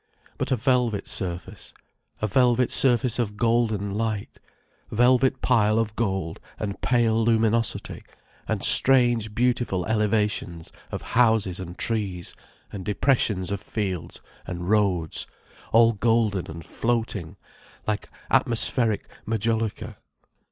But a velvet surface. A velvet surface of golden light, velvet pile of gold and pale luminosity, and strange beautiful elevations of houses and trees, and depressions of fields and roads, all golden and floating like atmospheric majolica.